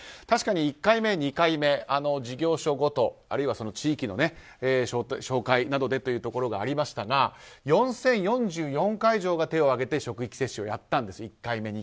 確かに１回目、２回目は事業所ごと、あるいは地域の紹介などでということがありましたが４０４４会場が手を挙げて１回目、２回目の職域接種をやったんです。